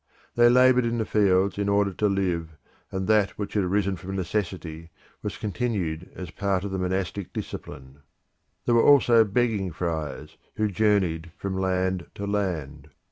They laboured in the fields in order to live and that which had arisen from necessity was continued as a part of the monastic discipline. There were also begging friars, who journeyed from land to land.